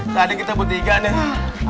tadi kita bertiga nih